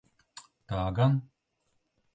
Tā gan.